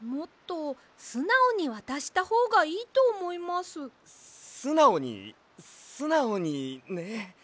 すなおにすなおにね。